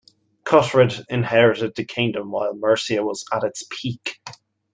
Cuthred inherited the kingdom while Mercia was at its peak.